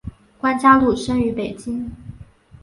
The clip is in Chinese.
关嘉禄生于北京。